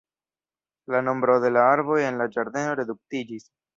La nombro de la arboj en la ĝardeno reduktiĝis.